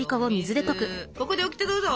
ここでオキテどうぞ！